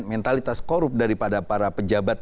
mentalitas korup daripada para pejabat